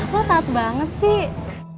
wah takut banget sih